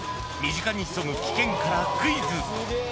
身近に潜む危険からクイズ。